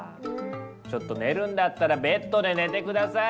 ちょっと寝るんだったらベッドで寝て下さい！